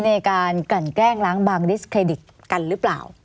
ในการกลั่นแกล้งล้างบางดิสเครดิตกันหรือเปล่า